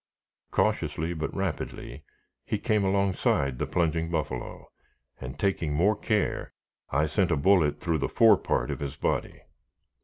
Cautiously, but rapidly, he came alongside the plunging buffalo, and taking more care, I sent a bullet through the fore part of his body.